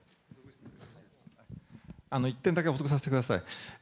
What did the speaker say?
１点だけ補足させてください。